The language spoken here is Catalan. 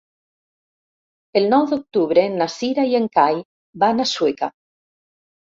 El nou d'octubre na Cira i en Cai van a Sueca.